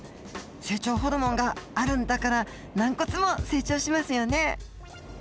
成長ホルモンがあるんだから軟骨も成長しますよね。